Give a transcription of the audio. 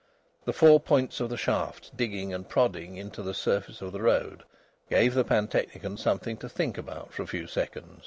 The four points of the shafts digging and prodding into the surface of the road gave the pantechnicon something to think about for a few seconds.